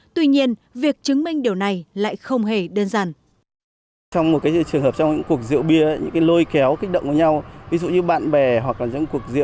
tuy nhiên việc chứng minh hành vi bị cấm gồm xúi rục kích động lôi kéo ép buộc người khác uống rượu bia